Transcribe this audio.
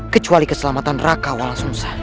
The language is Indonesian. kecuali keselamatan raka walah sengsang